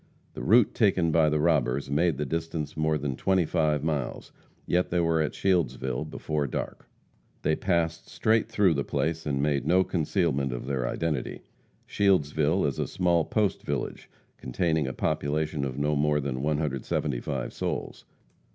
The route taken by the robbers made the distance more than twenty five miles; yet they were at Shieldsville before dark. They passed straight through the place and made no concealment of their identity. Shieldsville is a small post village, containing a population of no more than 175 souls.